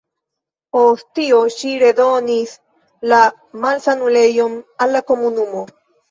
Post tio ŝi redonis la malsanulejon al la komunumo.